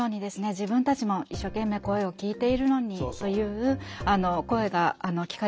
自分たちも一生懸命声を聴いているのにという声が聞かれることもあります。